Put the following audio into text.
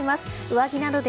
上着などで